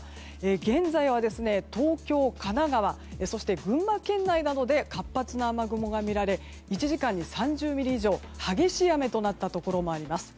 現在は東京、神奈川そして群馬県内などで活発な雨雲が見られ１時間に３０ミリ以上の激しい雨となったところもあります。